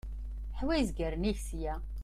Ḥwi izgaren-ik sya.